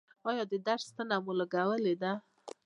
ایا د درد ستنه مو لګولې ده؟